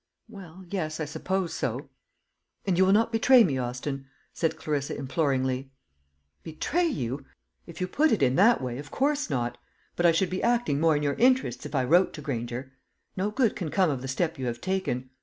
"Well, yes, I suppose so." "And you will not betray me, Austin?" said Clarissa imploringly. "Betray you! If you put it in that way, of course not. But I should be acting more in your interests if I wrote to Granger. No good can come of the step you have taken.